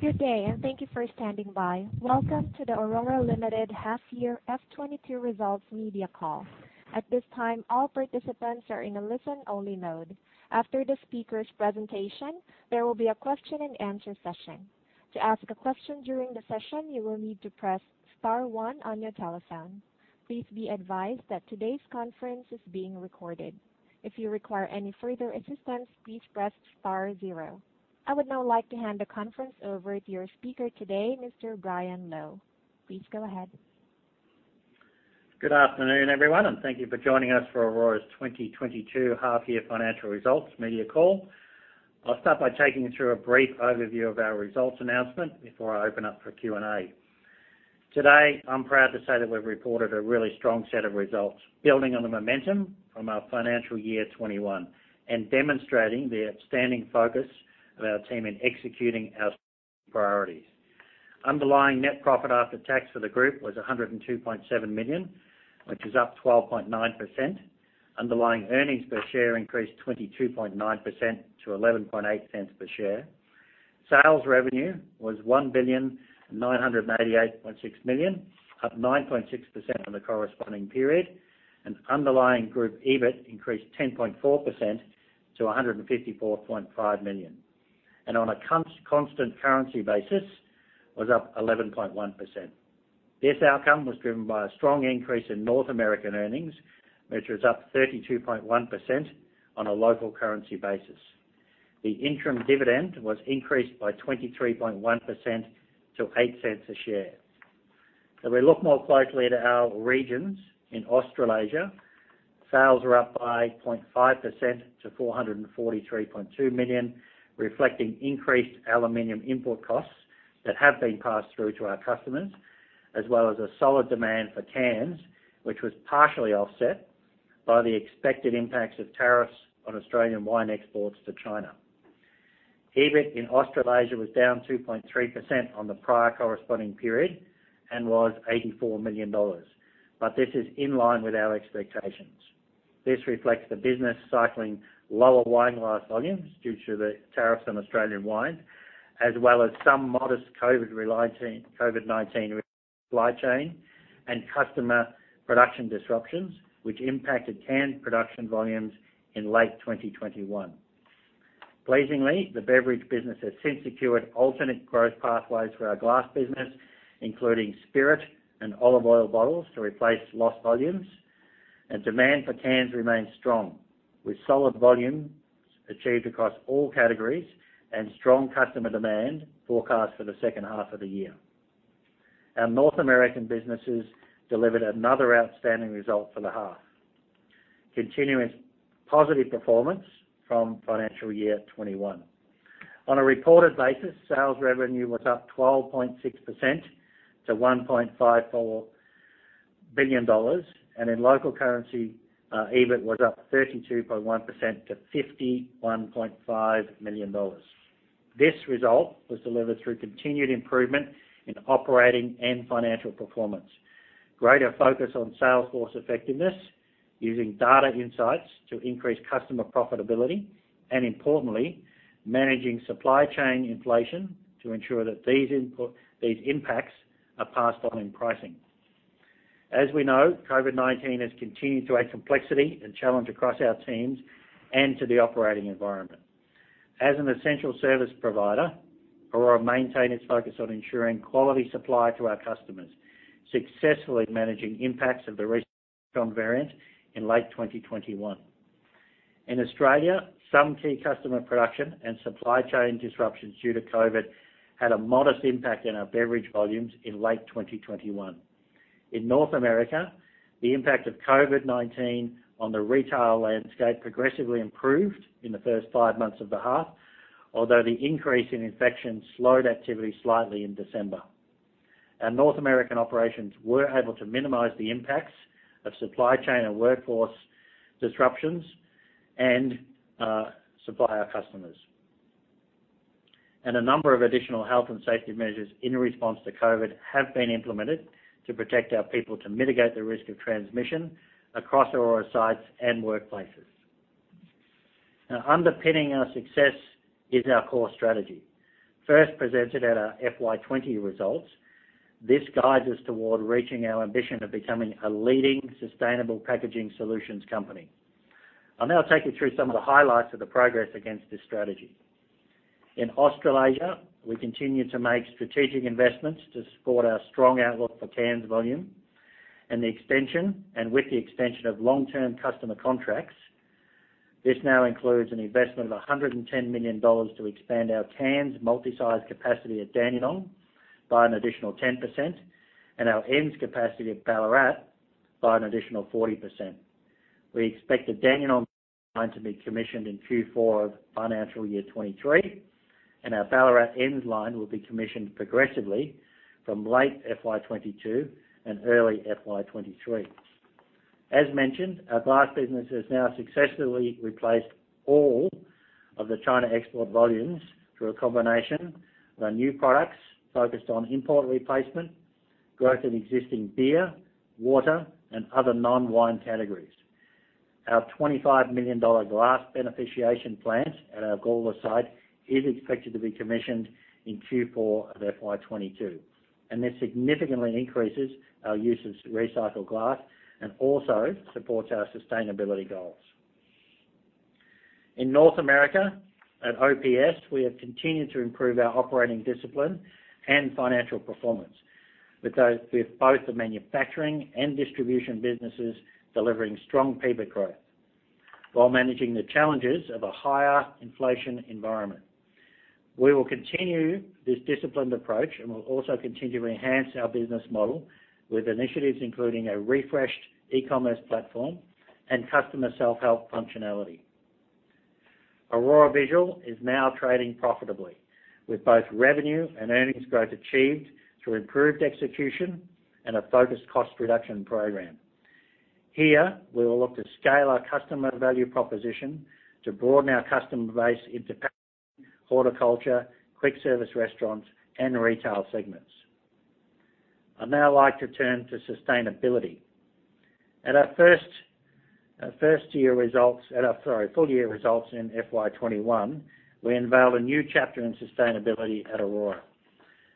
Good day, and thank you for standing by. Welcome to the Orora Limited half year FY 2022 results media call. At this time, all participants are in a listen-only mode. After the speaker's presentation, there will be a question and answer session. To ask a question during the session, you will need to press star one on your telephone. Please be advised that today's conference is being recorded. If you require any further assistance, please press star zero. I would now like to hand the conference over to your speaker today, Mr. Brian Lowe. Please go ahead. Good afternoon, everyone, and thank you for joining us for Orora's 2022 half year financial results media call. I'll start by taking you through a brief overview of our results announcement before I open up for Q&A. Today, I'm proud to say that we've reported a really strong set of results, building on the momentum from our financial year 2021 and demonstrating the outstanding focus of our team in executing our priorities. Underlying net profit after tax for the group was 102.7 million, which is up 12.9%. Underlying earnings per share increased 22.9% to 0.118 per share. Sales revenue was 1,988.6 million, up 9.6% on the corresponding period. Underlying group EBIT increased 10.4% to 154.5 million. On a constant currency basis, it was up 11.1%. This outcome was driven by a strong increase in North American earnings, which was up 32.1% on a local currency basis. The interim dividend was increased by 23.1% to 0.08 per share. If we look more closely at our regions in Australasia, sales are up by 0.5% to 443.2 million, reflecting increased aluminum input costs that have been passed through to our customers, as well as a solid demand for cans, which was partially offset by the expected impacts of tariffs on Australian wine exports to China. EBIT in Australasia was down 2.3% on the prior corresponding period and was 84 million dollars, but this is in line with our expectations. This reflects the business cycling lower wine glass volumes due to the tariffs on Australian wine, as well as some modest COVID-19 related supply chain and customer production disruptions, which impacted can production volumes in late 2021. Pleasingly, the beverage business has since secured alternate growth pathways for our glass business, including spirit and olive oil bottles to replace lost volumes. Demand for cans remains strong, with solid volumes achieved across all categories and strong customer demand forecast for the second half of the year. Our North American businesses delivered another outstanding result for the half, continuing positive performance from financial year 2021. On a reported basis, sales revenue was up 12.6% to $1.54 billion, and in local currency, EBIT was up 32.1% to $51.5 million. This result was delivered through continued improvement in operating and financial performance, greater focus on sales force effectiveness, using data insights to increase customer profitability, and importantly, managing supply chain inflation to ensure that these impacts are passed on in pricing. As we know, COVID-19 has continued to add complexity and challenge across our teams and to the operating environment. As an essential service provider, Orora maintain its focus on ensuring quality supply to our customers, successfully managing impacts of the recent variant in late 2021. In Australia, some key customer production and supply chain disruptions due to COVID-19 had a modest impact in our beverage volumes in late 2021. In North America, the impact of COVID-19 on the retail landscape progressively improved in the first five months of the half, although the increase in infections slowed activity slightly in December. Our North American operations were able to minimize the impacts of supply chain and workforce disruptions and supply our customers. A number of additional health and safety measures in response to COVID-19 have been implemented to protect our people to mitigate the risk of transmission across Orora sites and workplaces. Now, underpinning our success is our core strategy. First presented at our FY 2020 results, this guides us toward reaching our ambition of becoming a leading sustainable packaging solutions company. I'll now take you through some of the highlights of the progress against this strategy. In Australasia, we continue to make strategic investments to support our strong outlook for cans volume and with the extension of long-term customer contracts. This now includes an investment of 110 million dollars to expand our cans multi-site capacity at Dandenong by an additional 10% and our cans capacity at Ballarat by an additional 40%. We expect the Dandenong line to be commissioned in Q4 of FY 2023, and our Ballarat cans line will be commissioned progressively from late FY 2022 and early FY 2023. As mentioned, our glass business has now successfully replaced all of the China export volumes through a combination of our new products focused on import replacement, growth in existing beer, water, and other non-wine categories. Our 25 million dollar Glass Beneficiation Plant at our Gawler site is expected to be commissioned in Q4 of FY 2022, and this significantly increases our use of recycled glass and also supports our sustainability goals. In North America at OPS, we have continued to improve our operating discipline and financial performance, with both the manufacturing and distribution businesses delivering strong EBIT growth while managing the challenges of a higher inflation environment. We will continue this disciplined approach and will also continue to enhance our business model with initiatives including a refreshed e-commerce platform and customer self-help functionality. Orora Visual is now trading profitably with both revenue and earnings growth achieved through improved execution and a focused cost reduction program. Here, we will look to scale our customer value proposition to broaden our customer base into horticulture, quick service restaurants, and retail segments. I'd now like to turn to sustainability. At our first year results... In our full year results in FY 2021, we unveiled a new chapter in sustainability at Orora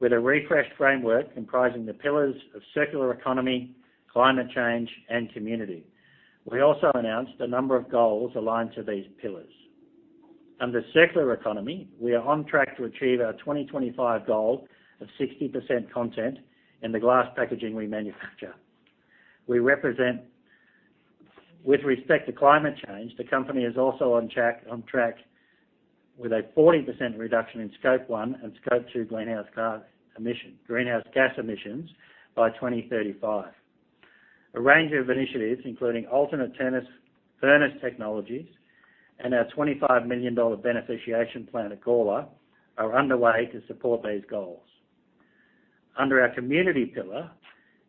with a refreshed framework comprising the pillars of circular economy, climate change, and community. We also announced a number of goals aligned to these pillars. Under circular economy, we are on track to achieve our 2025 goal of 60% content in the glass packaging we manufacture. With respect to climate change, the company is also on track with a 40% reduction in Scope 1 and Scope 2 greenhouse gas emissions by 2035. A range of initiatives, including oxy-fuel furnace technologies and our 25 million dollar beneficiation plant at Gawler, are underway to support these goals. Under our community pillar,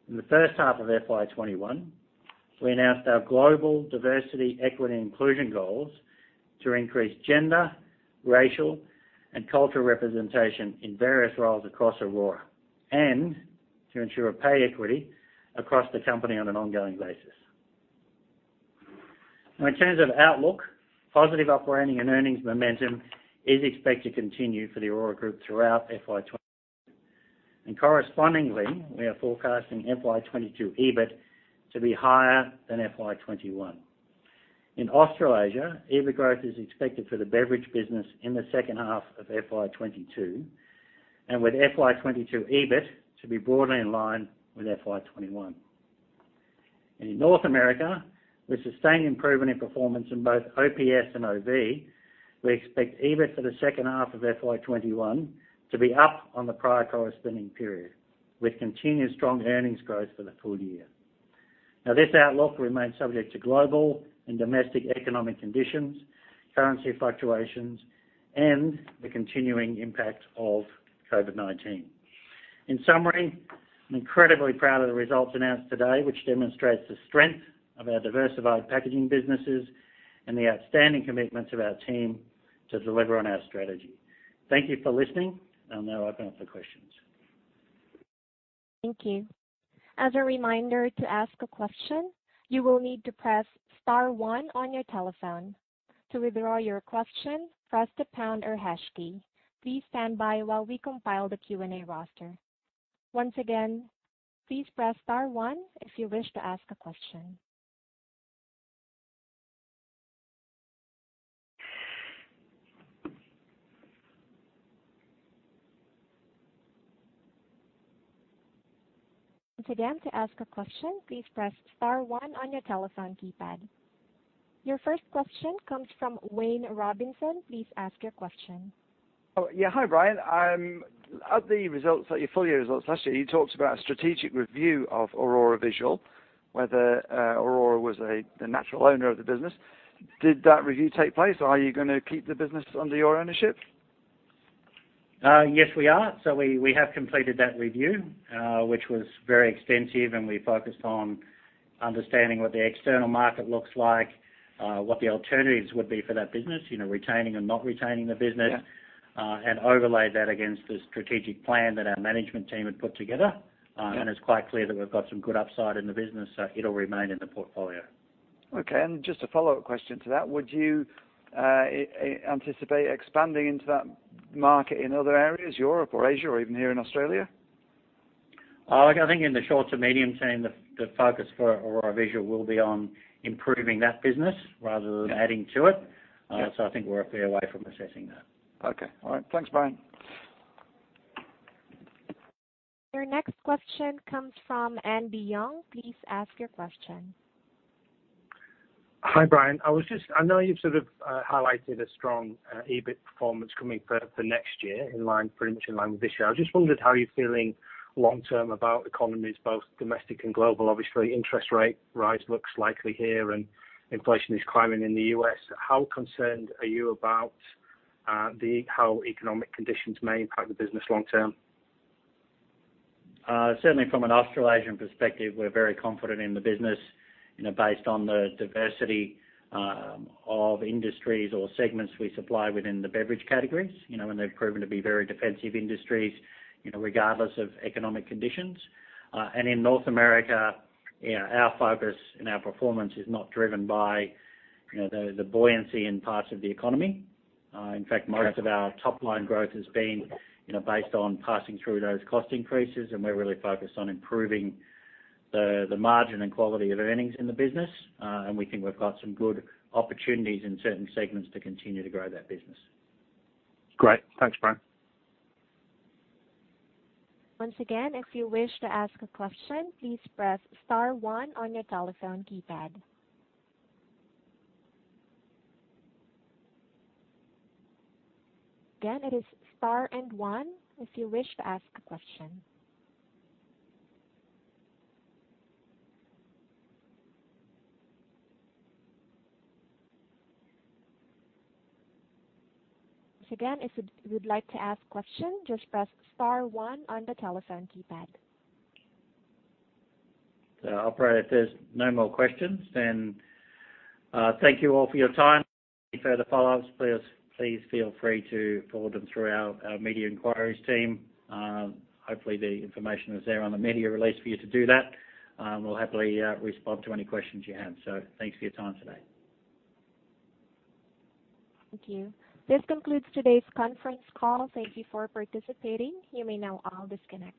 in the first half of FY 2021, we announced our global diversity, equity, and inclusion goals to increase gender, racial, and cultural representation in various roles across Orora and to ensure pay equity across the company on an ongoing basis. Now in terms of outlook, positive operating and earnings momentum is expected to continue for the Orora Group throughout FY 2022. Correspondingly, we are forecasting FY 2022 EBIT to be higher than FY 2021. In Australasia, EBIT growth is expected for the beverage business in the second half of FY 2022 and with FY 2022 EBIT to be broadly in line with FY 2021. In North America, with sustained improvement in performance in both OPS and OV, we expect EBIT for the second half of FY 2021 to be up on the prior corresponding period, with continued strong earnings growth for the full year. Now, this outlook remains subject to global and domestic economic conditions, currency fluctuations, and the continuing impact of COVID-19. In summary, I'm incredibly proud of the results announced today, which demonstrates the strength of our diversified packaging businesses and the outstanding commitments of our team to deliver on our strategy. Thank you for listening. I'll now open up for questions. Thank you. As a reminder, to ask a question, you will need to press star one on your telephone. To withdraw your question, press the pound or hash key. Please stand by while we compile the Q&A roster. Once again, please press star one if you wish to ask a question. Once again, to ask a question, please press star one on your telephone keypad. Your first question comes from Wayne Robinson. Please ask your question. Oh, yeah. Hi, Brian. At the results, at your full year results last year, you talked about strategic review of Orora Visual, whether Orora was the natural owner of the business. Did that review take place? Are you gonna keep the business under your ownership? Yes, we are. We have completed that review, which was very extensive, and we focused on understanding what the external market looks like, what the alternatives would be for that business, you know, retaining and not retaining the business. Yeah. overlaid that against the strategic plan that our management team had put together. Yeah. It's quite clear that we've got some good upside in the business, so it'll remain in the portfolio. Okay. Just a follow-up question to that. Would you anticipate expanding into that market in other areas, Europe or Asia or even here in Australia? Look, I think in the short to medium term, the focus for Orora Visual will be on improving that business rather than adding to it. Yeah. I think we're a fair way from assessing that. Okay. All right. Thanks, Brian. Your next question comes from Andy Young. Please ask your question. Hi, Brian. I know you've sort of highlighted a strong EBIT performance coming for next year in line, pretty much in line with this year. I just wondered how you're feeling long-term about economies, both domestic and global. Obviously, interest rate rise looks likely here, and inflation is climbing in the U.S. How concerned are you about how economic conditions may impact the business long-term? Certainly from an Australasian perspective, we're very confident in the business, you know, based on the diversity of industries or segments we supply within the beverage categories. You know, they've proven to be very defensive industries, you know, regardless of economic conditions. In North America, you know, our focus and our performance is not driven by, you know, the buoyancy in parts of the economy. In fact, most of our top-line growth has been, you know, based on passing through those cost increases, and we're really focused on improving the margin and quality of earnings in the business. We think we've got some good opportunities in certain segments to continue to grow that business. Great. Thanks, Brian. Once again, if you wish to ask a question, please press star one one your telephone keypad. Again, it is star and one if you wish to ask a question. Once again, if you'd like to ask question, just press star one on the telephone keypad. Operator, if there's no more questions, then thank you all for your time. Any further follow-ups, please feel free to forward them through our media inquiries team. Hopefully, the information is there on the media release for you to do that. We'll happily respond to any questions you have. Thanks for your time today. Thank you. This concludes today's conference call. Thank you for participating. You may now all disconnect.